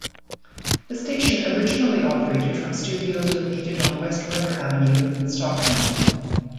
The station originally operated from studios located on West Weber Avenue in Stockton.